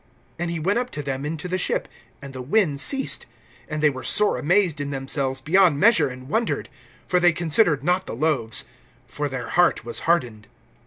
(51)And he went up to them into the ship; and the wind ceased. And they were sore amazed in themselves beyond measure, and wondered. (52)For they considered not the loaves; for their heart was hardened.